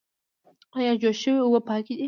ایا جوش شوې اوبه پاکې دي؟